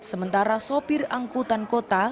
sementara sopir angkutan kota